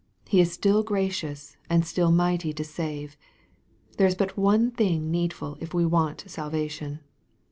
He is still gracioua and still mighty to save. There is but one thing needfu] if we want salvation.